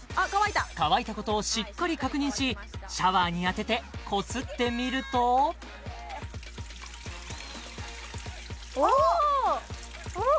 乾いたことをしっかり確認しシャワーに当ててこすってみるとおおっ！